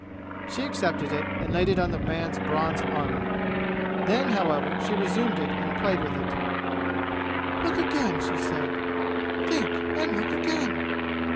She accepted it and laid it on the man's bronze armor. Then, however, she resumed it and played with it. "Look again!" she said. "Think and look again!"